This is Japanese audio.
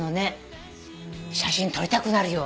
写真撮りたくなるよ。